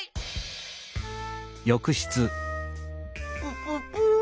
プププ。